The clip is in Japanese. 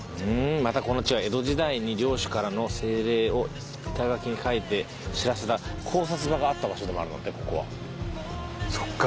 「またこの地は江戸時代に領主からの制令を板札に書いて知らせた」「高札場があった場所」でもあるんだってここは。そっか。